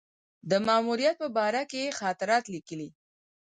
د ماموریت په باره کې یې خاطرات لیکلي.